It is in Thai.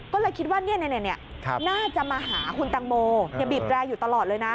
ก็เลยคิดว่าน่าจะมาหาคุณตังโมบีบแรร์อยู่ตลอดเลยนะ